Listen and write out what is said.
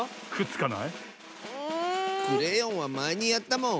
クレヨンはまえにやったもん！